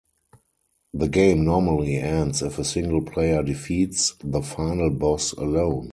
The game normally ends if a single player defeats the final boss alone.